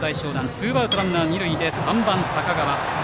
ツーアウトランナー、二塁で３番、坂川。